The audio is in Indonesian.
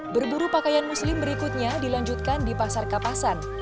berburu pakaian muslim berikutnya dilanjutkan di pasar kapasan